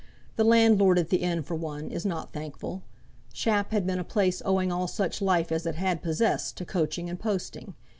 The landlord at the inn, for one, is not thankful. Shap had been a place owing all such life as it had possessed to coaching and posting.